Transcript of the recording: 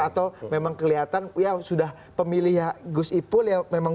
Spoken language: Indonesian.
atau memang kelihatan ya sudah pemilih gus ipul yang memang